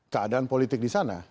keadaan politik di sana